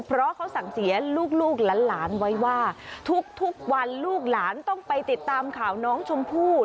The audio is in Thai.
เพราะเขาสั่งเสียลูกหลานไว้ว่าทุกวันลูกหลานต้องไปติดตามข่าวน้องชมพู่